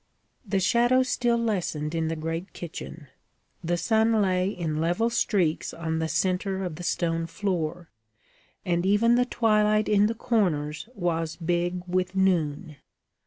The shadows still lessened in the great kitchen. The sun lay in level streaks on the centre of the stone floor, and even the twilight in the corners was big with noon.